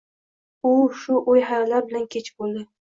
U shu oʻy-hayollar bilan kech boʻldi.